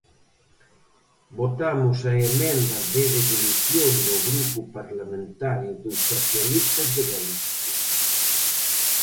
Votamos a emenda de devolución do Grupo Parlamentario dos Socialistas de Galicia.